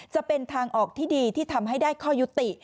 จะเป็นทางออกที่ดีที่ทำให้ได้ข้อยุติ